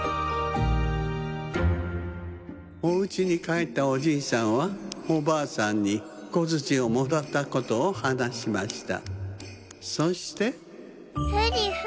おうちにかえったおじいさんはおばあさんにこづちをもらったことをはなしました。